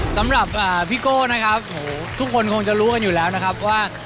สำหรับพี่โก้นะครับทุกคนคงจะรู้กันอยู่แล้วนะครับว่า